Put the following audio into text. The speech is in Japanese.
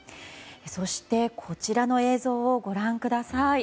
そして、こちらの映像をご覧ください。